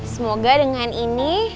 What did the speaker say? semoga dengan ini